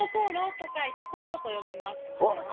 心と書いて「ここ」と読みます。